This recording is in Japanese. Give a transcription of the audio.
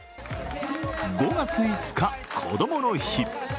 ５月５日、こどもの日。